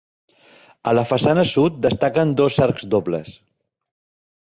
A la façana sud destaquen dos arcs dobles.